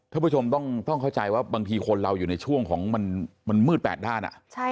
ท่านผู้ชมต้องเข้าใจว่าบางทีคนเราอยู่ในช่วงของมันมืด๘ด้าน